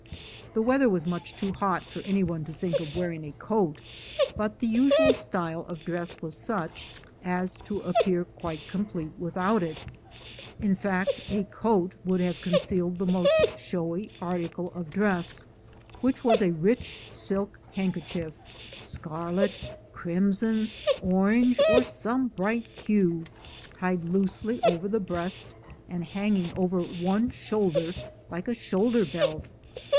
The weather was much too hot for any one to think of wearing a coat, but the usual style of dress was such as to ap pear quite complete without it; in fact, a coat would have concealed the most showy article of dress, which was a rich silk handkerchief, scarlet, crimson, orange, or some bright hue, tied loosely across the breast, and hanging over one shoulder like a shoulder belt.